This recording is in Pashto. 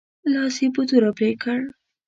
لاس یې په توره پرې کړ.